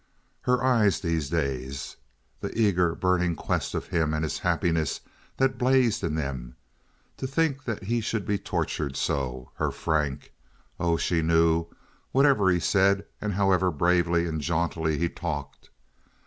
Her eyes these days! The eager, burning quest of him and his happiness that blazed in them. To think that he should be tortured so—her Frank! Oh, she knew—whatever he said, and however bravely and jauntily he talked.